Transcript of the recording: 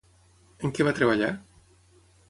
En què va treballar?